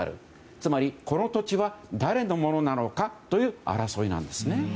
つまりこの土地は誰のものなのかという争いなんですね。